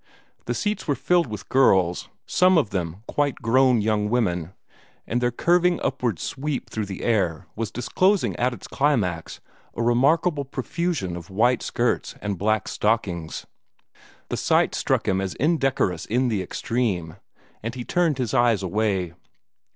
The seats were filled with girls, some of them quite grown young women, and their curving upward sweep through the air was disclosing at its climax a remarkable profusion of white skirts and black stockings. The sight struck him as indecorous in the extreme, and he turned his eyes away.